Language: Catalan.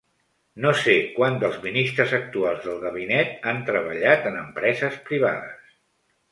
No sé quants dels ministres actuals del gabinet han treballat en empreses privades.